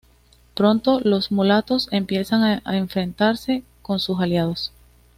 Pronto los mulatos empiezan a enfrentarse con sus aliados.